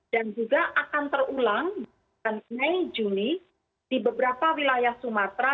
dan juga akan terulang dan menaik juni di beberapa wilayah sumatera